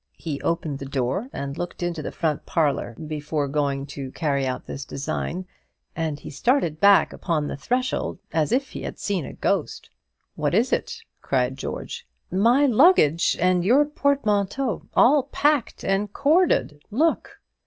He opened the door and looked into the front parlour before going to carry out this design, and he started back upon the threshold as if he had seen a ghost. "What is it?" cried George. "My luggage and your portmanteau, all packed and corded; look!"